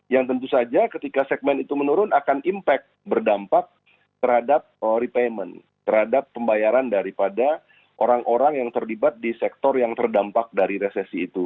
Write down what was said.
yang tentu saja ketika segmen itu menurun akan impact berdampak terhadap repayment terhadap pembayaran daripada orang orang yang terlibat di sektor yang terdampak dari resesi itu